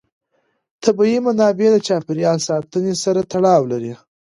طبیعي منابع د چاپېر یال ساتنې سره تړاو لري.